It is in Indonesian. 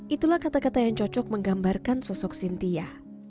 itulah kata kata yang cocok menggambarkan sosok sintia